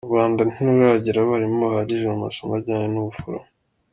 U Rwanda ntiruragira abarimu bahagije mu masomo ajyanye n’ubuforomo.